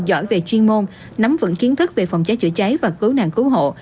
giỏi về chuyên môn nắm vững kiến thức về phòng cháy chữa cháy và cứu nạn cứu hộ